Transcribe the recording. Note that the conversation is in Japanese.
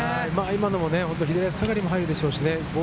今のもね、左足下がりの範囲でしょうしね。